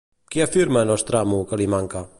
Què afirma Nostramo que li manca?